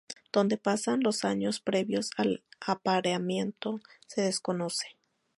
Donde pasan los años previos al apareamiento se desconoce.